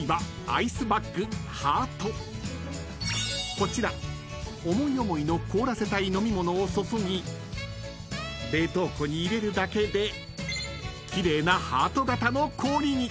［こちら思い思いの凍らせたい飲み物を注ぎ冷凍庫に入れるだけで奇麗なハート形の氷に］